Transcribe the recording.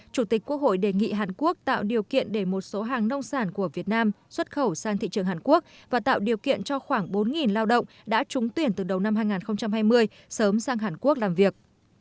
chủ tịch quốc hội đề nghị hàn quốc tạo điều kiện để một số hàng nông sản của việt nam xuất khẩu sang thị trường hàn quốc và tạo điều kiện cho khoảng bốn lao động đã trúng tuyển từ đầu năm hai nghìn hai mươi sớm sang hàn quốc làm việc